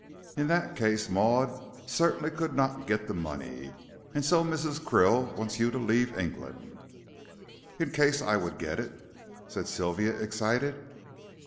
In that case Maud certainly could not get the money, and so Mrs. Krill wants you to leave England." "In case I would get it," said Sylvia, excited.